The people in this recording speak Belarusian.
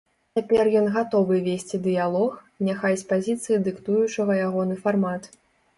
Цяпер ён гатовы весці дыялог, няхай з пазіцыі дыктуючага ягоны фармат.